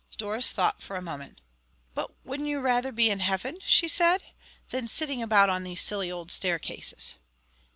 Doris thought for a moment. "But wouldn't you rather be in Heaven," she said, "than sitting about on these silly old staircases?"